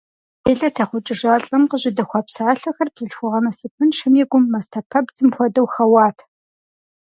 Делэ техъукӏыжа лӏым къыжьэдэхуа псалъэхэр бзылъхугъэ насыпыншэм и гум, мастэпэбдзым хуэдэу, хэуат.